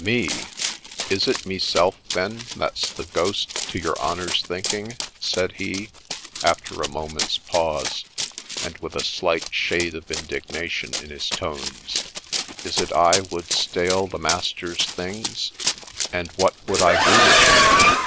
' Me ? is it meself, then, that 's the ghost to your honour's thinking ?' said he, after a moment's pause, and with a slight shade of indignation in his tones :' is it I would stale the master's things, — and what would I do with them